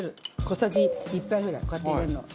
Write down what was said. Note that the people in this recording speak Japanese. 小さじ１杯ぐらいこうやって入れるの。